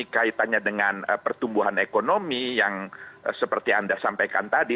kaitannya dengan pertumbuhan ekonomi yang seperti anda sampaikan tadi